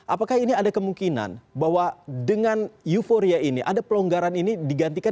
apakah ini ada kemungkinan bahwa dengan euforia ini ada pelonggaran ini digantikan